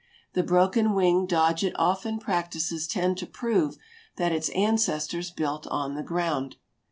The broken wing dodge it often practices tends to prove that its ancestors built on the ground.